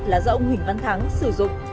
là do ông huỳnh văn thắng sử dụng